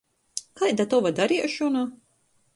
Kaida tova dariešona?